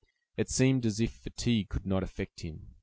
It seemed as if fatigue could not affect him.